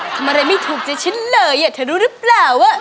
ทำอะไรไม่ถูกใจฉันเลยเธอรู้หรือเปล่าว่า